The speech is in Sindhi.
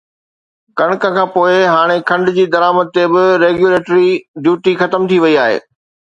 ڪڻڪ کانپوءِ هاڻي کنڊ جي درآمد تي به ريگيوليٽري ڊيوٽي ختم ٿي وئي آهي